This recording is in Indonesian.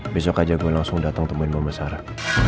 besok aja gua langsung dateng temuin mama sarah